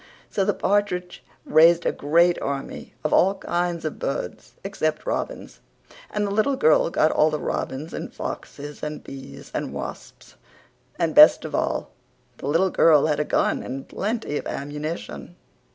So the partridge raised a great army of all kinds of birds except robins and the little girl got all the robins and foxes and bees and wasps. And best of all the little girl had a gun and plenty of ammunishun.